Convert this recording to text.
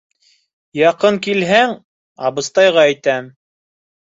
Яҡын килһәң, абыстайға әйтәм!